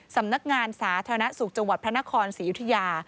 สำนักงานสาธารณสุขจังหวัดพระนครศรีอยุธยา